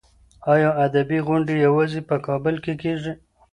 ایا ادبي غونډې یوازې په کابل کې کېږي؟